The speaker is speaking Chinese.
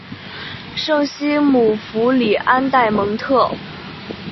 圣西姆福里安代蒙特。